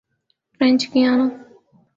French Guiana